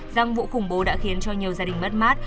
rằng vụ khủng bố đã khiến cho nhiều gia đình mất mát